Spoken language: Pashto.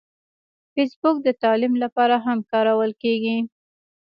فېسبوک د تعلیم لپاره هم کارول کېږي